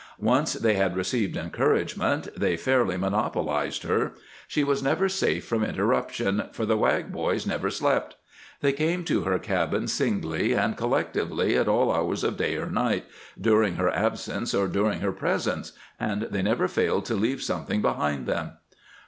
Once they had received encouragement, they fairly monopolized her. She was never safe from interruption, for the Wag boys never slept. They came to her cabin singly and collectively at all hours of day or night, during her absence or during her presence, and they never failed to leave something behind them.